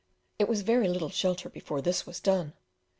It was very little shelter before this was done.